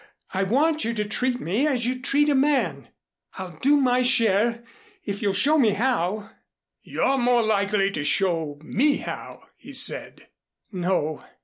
I want you to treat me as you'd treat a man. I'll do my share if you'll show me how." "You're more likely to show me how," he said. "No.